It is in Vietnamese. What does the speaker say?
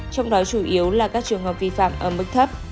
trong đó chủ yếu là các trường hợp vi phạm ở mức thấp